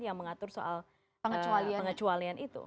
yang mengatur soal pengecualian itu